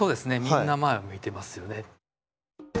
みんな前を向いてますよね。